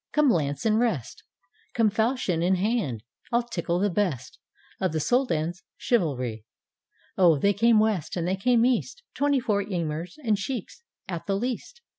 Come lance in rest, Come falchion in hand, I'll tickle the best Of the Soldan's Chivalriel" Oh, they came west, and they came east. Twenty four Emirs and Sheiks at the least.